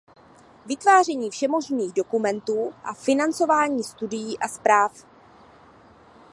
Vytváření všemožných dokumentů a financování studií a zpráv.